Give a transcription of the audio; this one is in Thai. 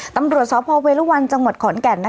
ตำรวจสพเวลวันจังหวัดขอนแก่น